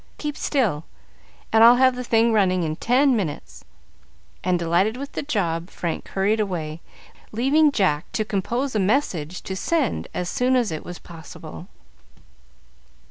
Keep still, and I'll have the thing running in ten minutes;" and, delighted with the job, Frank hurried away, leaving Jack to compose a message to send as soon as it was possible.